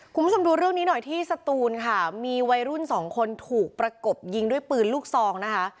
คุณผู้ชมดูเรื่องนี้หน่อยที่สตูนค่ะมีวัยรุ่นสองคนถูกประกบยิงด้วยปืนลูกซองนะคะ